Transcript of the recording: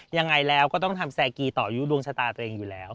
ยังไงแล้วก็ต้องทำแซกีต่ออายุดวงชะตาตัวเองอยู่แล้ว